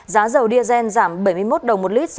giá dầu diazen giảm bảy mươi một đồng một lít